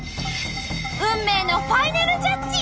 運命のファイナルジャッジ！